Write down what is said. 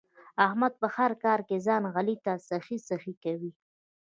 احمد په هر کار کې ځان علي ته سخی سخی کوي.